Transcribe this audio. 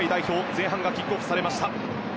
前半がキックオフされました。